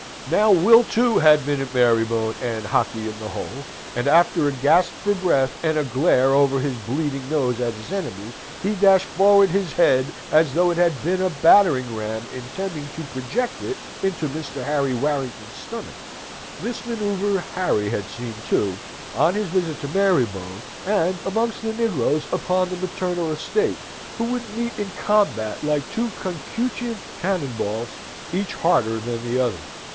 Now Will, too, had been at Marybone and Hockley in the Hole, and after a gasp for breath and a glare over his bleeding nose at his enemy, he dashed forward his head as though it had been a battering ram, intending to project it into Mr. Henry Warrington's stomach. This manoeuvre Harry had seen, too, on his visit to Marybone, and amongst the negroes upon the maternal estate, who would meet in combat like two concutient cannon balls, each harder than the other.